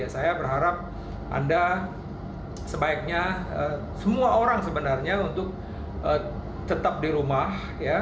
saya berharap anda sebaiknya semua orang sebenarnya untuk tetap di rumah